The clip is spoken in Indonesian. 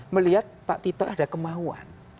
melihat pak tito ada kemauan